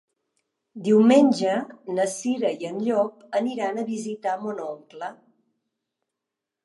Diumenge na Cira i en Llop aniran a visitar mon oncle.